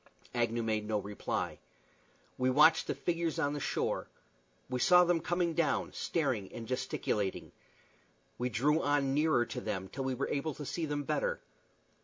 Agnew made no reply. We watched the figures on the shore. We saw them coming down, staring and gesticulating. We drew on nearer to them till we were able to see them better.